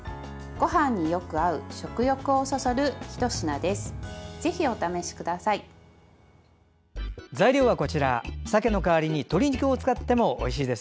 ごはんによく合う食欲をそそるひと品です。